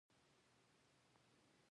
ناحیه د ښار اداري برخه ده